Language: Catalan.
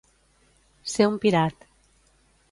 Ser un pirat.